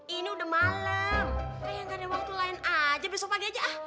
ini udah malam kayaknya gak ada waktu lain aja besok pagi aja ah